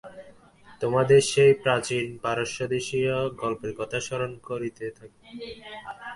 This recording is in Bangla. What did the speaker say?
তোমাদের সেই প্রাচীন পারস্যদেশীয় গল্পের কথা স্মরণ থাকিতে পারে।